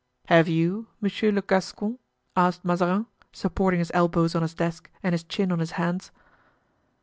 "Have you, Monsieur le Gascon?" asked Mazarin, supporting his elbows on his desk and his chin on his hands.